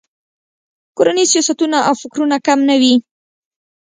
کورني سیاستونه او فکرونه کم نه وي.